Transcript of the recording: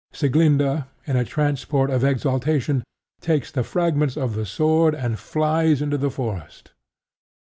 Sieglinda, in a transport of exaltation, takes the fragments of the sword and flies into the forest.